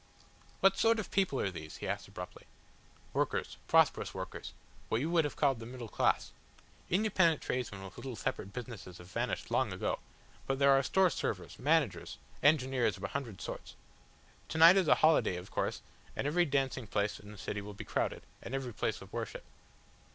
"What sort of people are these?" he asked abruptly. "Workers prosperous workers. What you would have called the middle class. Independent tradesmen with little separate businesses have vanished long ago, but there are store servers, managers, engineers of a hundred sorts. To night is a holiday of course, and every dancing place in the city will be crowded, and every place of worship."